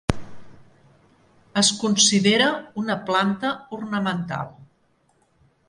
Es considera una planta ornamental.